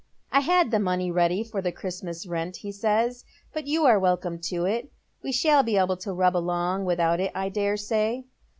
" I had the money ready for tlie Christmas rent," he says, " but you are welcome to it. We shall be able to rub along without it, I dare say."